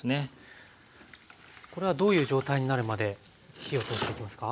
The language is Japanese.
これはどういう状態になるまで火を通していきますか？